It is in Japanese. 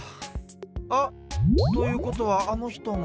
あ！ということはあのひとも。